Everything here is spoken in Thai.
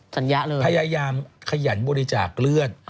เลยพยายามขยันบริจาคเลือด